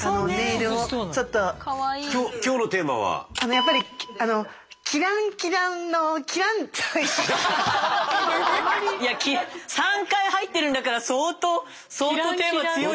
やっぱり３回入ってるんだから相当相当テーマ強いでしょう。